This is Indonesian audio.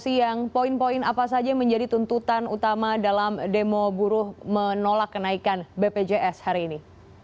siang poin poin apa saja yang menjadi tuntutan utama dalam demo buruh menolak kenaikan bpjs hari ini